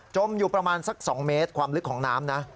มอยู่ประมาณสัก๒เมตรความลึกของน้ำนะ